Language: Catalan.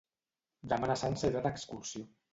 Demà na Sança irà d'excursió.